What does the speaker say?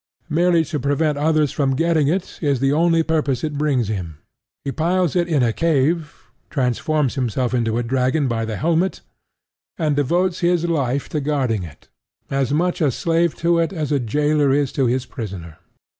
Merely to prevent others from getting it is the only purpose it brings him. He piles it in a cave; transforms himself into a dragon by the helmet; and devotes his life to guarding it, as much a slave to it as a jailor is to his prisoner.